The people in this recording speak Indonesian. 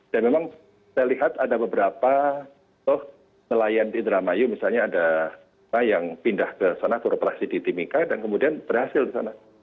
dan memang saya lihat ada beberapa nelayan di indramayu misalnya ada yang pindah ke sana beroperasi di timika dan kemudian berhasil ke sana